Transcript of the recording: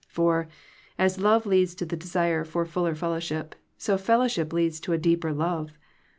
For, as love leads to the desire for fuller fellowship ; so fellowship leads to a deeper love.